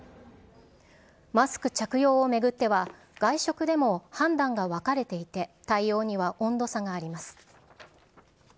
マスク着用を巡っては、外食でも判断が分かれていて、対応には温度差があります。